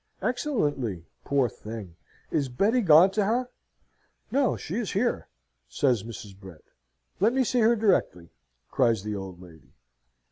"Excellently, poor thing! Is Betty gone to her?" "No; she is here," says Mrs. Brett. "Let me see her directly," cries the old lady.